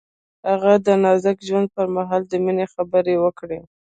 هغه د نازک ژوند پر مهال د مینې خبرې وکړې.